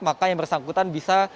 maka yang bersangkutan bisa